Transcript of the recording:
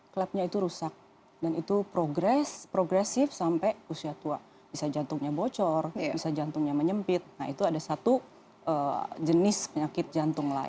klepnya itu rusak dan itu progresif sampai usia tua bisa jantungnya bocor bisa jantungnya menyempit nah itu ada satu jenis penyakit jantung